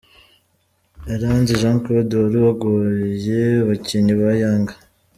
Iranzi Jean Claude wari wagoye abakinnyi ba Yanga.